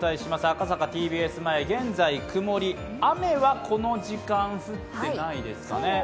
赤坂前現在曇り、あめはこの時間降ってないですかね。